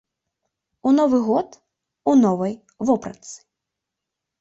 У новы год у новай вопратцы.